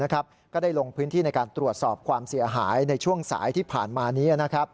ก็ได้ลงพื้นที่ในการตรวจสอบความเสียหายในช่วงสายที่ผ่านมานี้